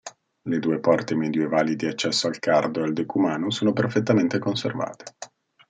Le due porte medievali di accesso al cardo e al decumano sono perfettamente conservate.